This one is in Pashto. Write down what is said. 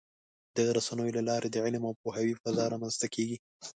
د رسنیو له لارې د علم او پوهاوي فضا رامنځته کېږي.